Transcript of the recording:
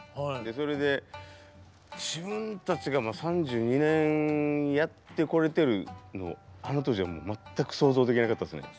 それで自分たちが３２年やってこれてるってあの当時は全く想像できなかったですね。